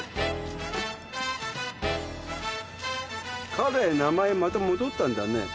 彼名前また戻ったんだね。